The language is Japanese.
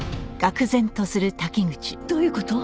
どういう事？